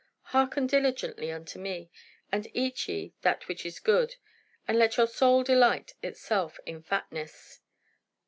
hearken diligently unto me, and eat ye that which is good, and let your soul delight itself in fatness.'"